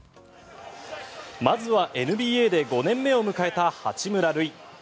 まずＮＢＡで５年目を迎えた八村塁。